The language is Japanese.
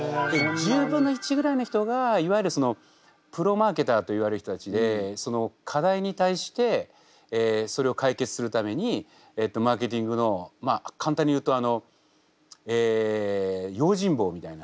１０分の１ぐらいの人がいわゆるそのプロマーケターといわれる人たちでその課題に対してそれを解決するためにマーケティングのまあ簡単に言うとあのえ用心棒みたいな。